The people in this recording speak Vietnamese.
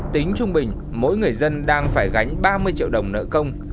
tính trung bình mỗi người dân đang phải gánh ba mươi triệu đồng nợ công